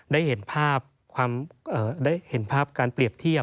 ได้เห็นภาพการเปรียบเทียบ